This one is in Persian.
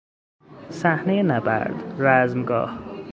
صحنهی نبرد، رزمگاه